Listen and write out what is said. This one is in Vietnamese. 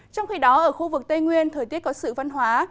trong khi đó ở khu vực tây nguyên thời tiết có sự văn hóa